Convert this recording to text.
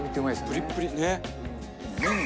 プリップリねえ。